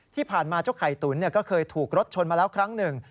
ที่ผ่านมาเจ้าไข่ตุ๋นก็เคยถูกรถชนมาแล้วครั้งหนึ่ง